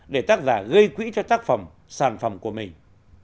để tác giả gây quỹ cho tác phẩm sản phẩm của mình